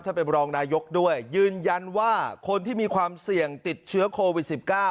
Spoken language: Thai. เป็นรองนายกด้วยยืนยันว่าคนที่มีความเสี่ยงติดเชื้อโควิด๑๙